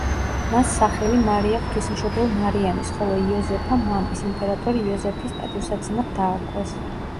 მას სახელი მარია ღვთისმშობელ მარიამის, ხოლო იოზეფა მამის, იმპერატორ იოზეფის პატივსაცემად დაარქვეს.